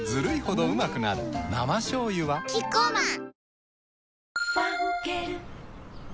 生しょうゆはキッコーマン女性）